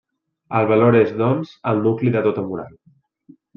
El valor és, doncs, el nucli de tota moral.